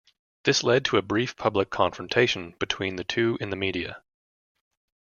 This led to a brief public confrontation between the two in the media.